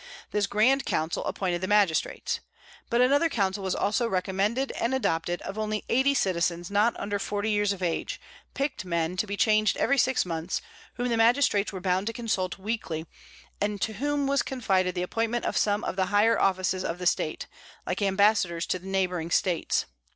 This grand council appointed the magistrates. But another council was also recommended and adopted, of only eighty citizens not under forty years of age, picked men, to be changed every six months, whom the magistrates were bound to consult weekly, and to whom was confided the appointment of some of the higher officers of the State, like ambassadors to neighboring States.